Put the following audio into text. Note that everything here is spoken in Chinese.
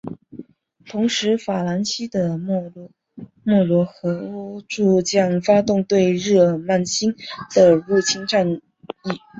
同时法兰西的莫罗和喔戌将发动对日耳曼新的入侵战役。